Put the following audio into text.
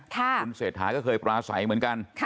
คุณเศรษฐาก็เคยปราศัยเหมือนกัน